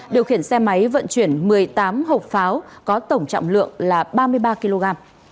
điều khiển xe máy vận chuyển một mươi tám hộp pháo có tổng trọng lượng là ba mươi ba kg